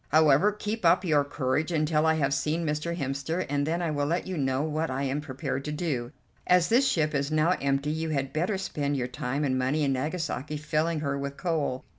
However, keep up your courage until I have seen Mr. Hemster, and then I will let you know what I am prepared to do. As this ship is now empty you had better spend your time and money in Nagasaki filling her with coal.